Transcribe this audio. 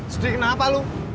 sedih kenapa lu